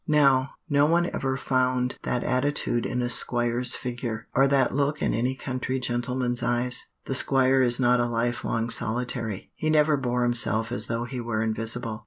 Now, no one ever found that attitude in a squire's figure, or that look in any country gentleman's eyes. The squire is not a life long solitary. He never bore himself as though he were invisible.